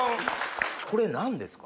これ何ですか？